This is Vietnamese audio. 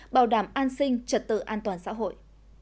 bảo đảm an sinh trật tự an toàn xã hội